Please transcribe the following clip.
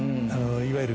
いわゆる。